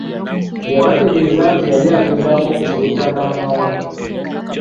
Yabategeeza nti yali agezaako kusuuta maama we.